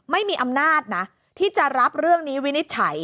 ไม่มีอำนาจนะที่จะรับเรื่องนี้วินิจฉัย